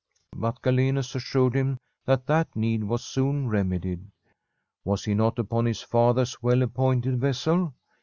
But Galenus assured him that that need was soon remedied. Was he not upon his father's well appointed vessel?